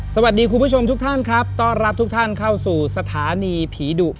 คุณผู้ชมทุกท่านครับต้อนรับทุกท่านเข้าสู่สถานีผีดุ